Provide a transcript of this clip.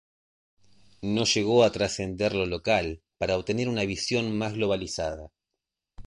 No llegó a trascender lo local para obtener una visión más globalizada.